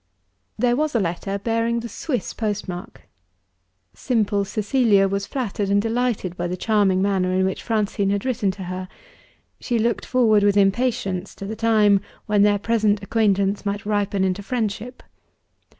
There was a letter bearing the Swiss postmark. Simple Cecilia was flattered and delighted by the charming manner in which Francine had written to her. She looked forward with impatience to the time when their present acquaintance might ripen into friendship.